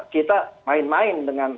kita main main dengan